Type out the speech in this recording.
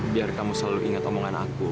biar kamu selalu ingat omongan aku